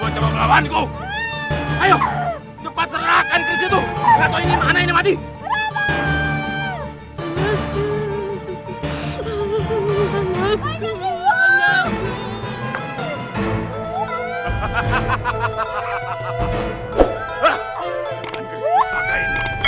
anggisku sakai ini